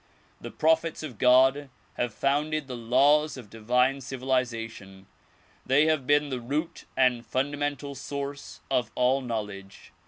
The prophets of God have founded the laws of divine civilization. They have been the root and fundamental source of all knowledge.